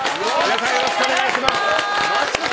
よろしくお願いします。